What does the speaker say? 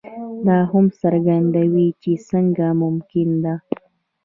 دا هم څرګندوي چې څنګه ممکنه ده.